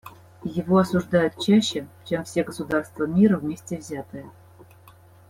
Его осуждают чаще, чем все государства мира вместе взятые.